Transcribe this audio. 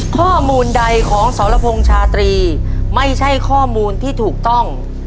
ข้อมูลใดของสรพงษ์ชาตรีไม่ใช่ข้อมูลที่ถูกต้อง